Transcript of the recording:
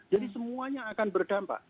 jadi semuanya akan berdampak